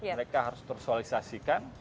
mereka harus tersualisasikan